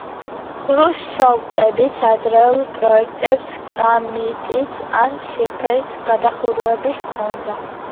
ხრუშჩოვკების ადრეულ პროექტებს კრამიტის ან შიფერის გადახურვები ჰქონდა.